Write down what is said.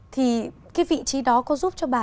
thì cái vị trí đó có giúp cho bà